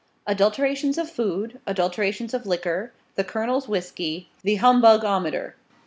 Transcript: ADULTERATIONS OF FOOD. ADULTERATIONS OF LIQUOR. THE COLONEL'S WHISKEY. THE HUMBUGOMETER.